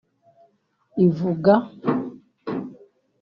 ivuga